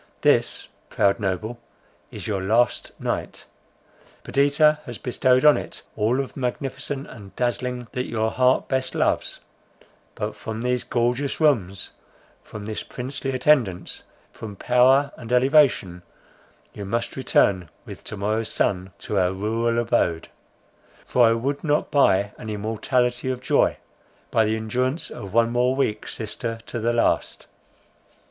This, proud noble, is your last night! Perdita has bestowed on it all of magnificent and dazzling that your heart best loves—but, from these gorgeous rooms, from this princely attendance, from power and elevation, you must return with to morrow's sun to our rural abode; for I would not buy an immortality of joy, by the endurance of one more week sister to the last.